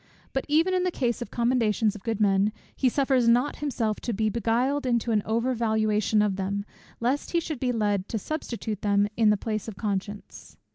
But even in the case of the commendations of good men, he suffers not himself to be beguiled into an over valuation of them, lest he should be led to substitute them in the place of conscience.